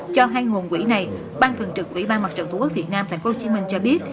cho hai nguồn quỹ này bang thường trực quỹ ba mặt trận tq việt nam thành phố hồ chí minh cho biết